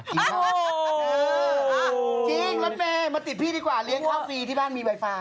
โอ้โหเออจริงมาติดพี่ดีกว่าเลี้ยงข้าวฟรีที่บ้านมีไวไฟ